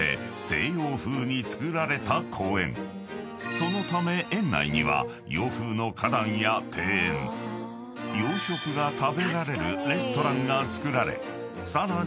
［そのため園内には洋風の花壇や庭園洋食が食べられるレストランが造られさらに